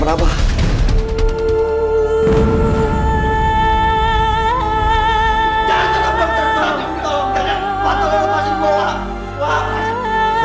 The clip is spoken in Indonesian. karena pak tolong lepasin bola